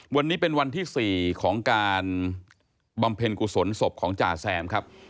วันนี้เป็นวันที่๔ของการบำเพ็ญกุศลศพของจ่าแซมครับ